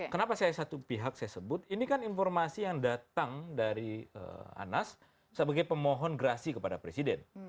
kenapa saya satu pihak saya sebut ini kan informasi yang datang dari anas sebagai pemohon gerasi kepada presiden